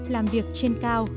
làm việc trên cao